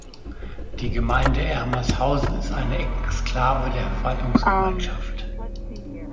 Die Gemeinde Ermershausen ist eine Exklave der Verwaltungsgemeinschaft.